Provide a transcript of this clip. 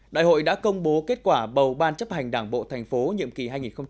đại hội đã công bố kết quả bầu ban chấp hành đảng bộ thành phố nhiệm kỳ hai nghìn hai mươi hai nghìn hai mươi năm